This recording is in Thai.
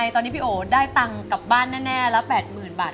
ตอนนี้พี่โอ๋ได้ตังกลับบ้านแน่แล้ว๘หมื่นบาท